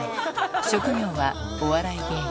職業はお笑い芸人。